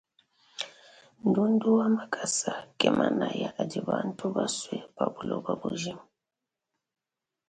Ndundu wa makasa ke manaya adi bantu basue bikole pa buloba bujima.